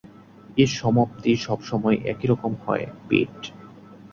এর সমাপ্তি সবসময় একইরকম হয়, পিট।